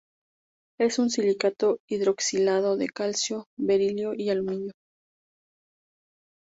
Es un silicato hidroxilado de calcio, berilio y aluminio.